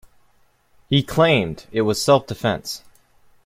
He claimed it was self-defense.